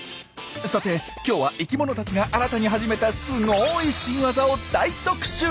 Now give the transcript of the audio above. さて今日は生きものたちが新たに始めたすごい「新ワザ」を大特集！